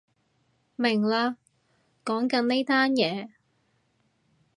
明喇，講緊呢單嘢